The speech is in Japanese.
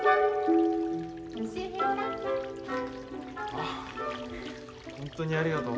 あ本当にありがとう。